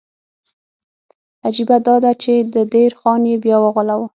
عجیبه دا ده چې د دیر خان یې بیا وغولاوه.